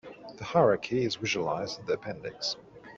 The hierarchy is visualized in the appendix.